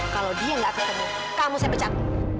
kalau dia nggak ketemu kamu saya pecat